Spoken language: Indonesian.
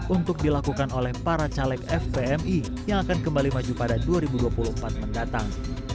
untuk dilakukan oleh para caleg fvmi yang akan kembali maju pada dua ribu dua puluh empat mendatang